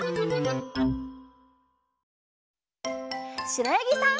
しろやぎさん。